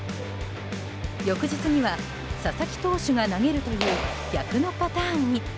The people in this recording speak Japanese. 翌日には佐々木投手が投げるという逆のパターンに。